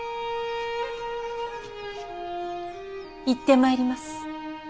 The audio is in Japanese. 行ってまいります。